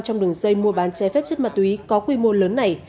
trong đường dây mua bán trái phép chất ma túy có quy mô lớn này